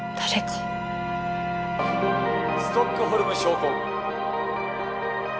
ストックホルム症候群。